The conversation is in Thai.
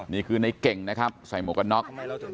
นี่คือในเก่งนะครับใส่หมวกกันน็อก